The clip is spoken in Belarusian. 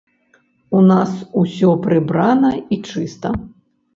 У нас усё прыбрана і чыста.